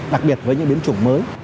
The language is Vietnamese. đặc biệt với những biến chủng mới